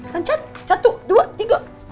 lanjut satu dua tiga